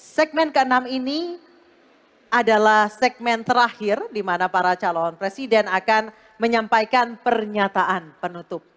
segmen ke enam ini adalah segmen terakhir di mana para calon presiden akan menyampaikan pernyataan penutup